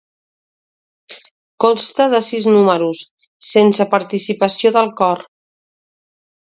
Consta de sis números sense participació del cor.